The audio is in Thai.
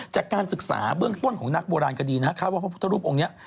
จากการศึกษาเบื้องต้นของนักโบราณคดีนะครับคาดว่าพระพุทธรูปองค์นี้